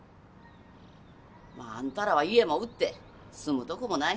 まああんたらは家も売って住むとこもない。